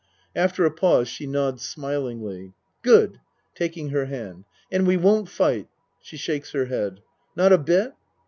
(Af ter a pause she nods smilingly.) Good. (Taking her hand.) And we won't fight? (She shakes her head.) Not a bit?